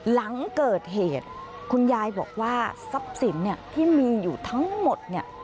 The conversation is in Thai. หลังเกิดเหตุคุณยายบอกว่าทรัพย์สินเนี่ยที่มีอยู่ทั้งหมดเนี่ย